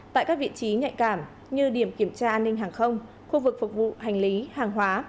tại các vị trí nhạy cảm như điểm kiểm tra an ninh hàng không khu vực phục vụ hành lý hàng hóa